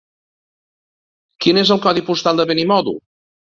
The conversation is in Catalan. Quin és el codi postal de Benimodo?